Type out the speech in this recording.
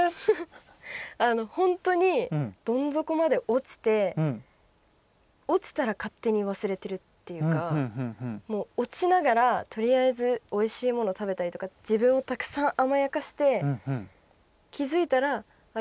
本当に、どん底まで落ちて落ちたら勝手に忘れているっていうか落ちながら、とりあえずおいしいものを食べたりとか自分を、たくさん甘やかして気付いたらあれ？